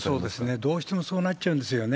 どうしてもそうなっちゃうんですよね。